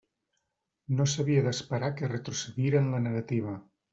No s'havia d'esperar que retrocedira en la negativa.